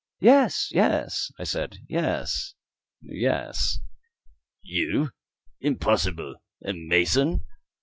"Yes, yes," I said; "yes, yes." "You? Impossible! A mason?"